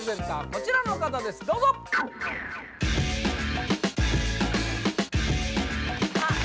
こちらの方ですどうぞ・あっ！